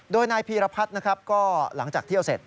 โดยนายพีรพัฒน์นะครับก็หลังจากเที่ยวเสร็จ